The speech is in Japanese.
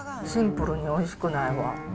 シンプルにおいしくないわ。